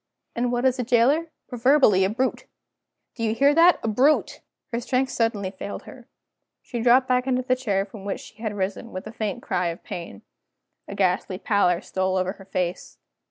And what is a jailer? Proverbially a brute. Do you hear that? A brute!" Her strength suddenly failed her. She dropped back into the chair from which she had risen, with a faint cry of pain. A ghastly pallor stole over her face.